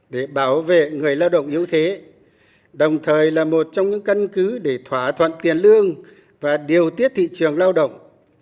đề án đã đưa ra giải pháp tiền lương và điều tiết thị trường lao động